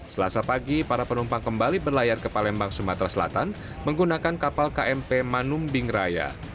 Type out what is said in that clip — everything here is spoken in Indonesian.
selasa pagi para penumpang kembali berlayar ke palembang sumatera selatan menggunakan kapal kmp manumbing raya